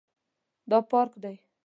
دا پارک دی